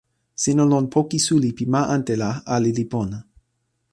sina lon poka suli pi ma ante la ale li pona.